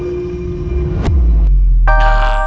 ketika kita berdua berdua